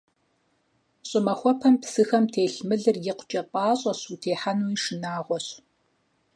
Щӏымахуэпэм псыхэм телъ мылыр икъукӀэ пӀащӀэщ, утехьэнуи шынагъуэщ.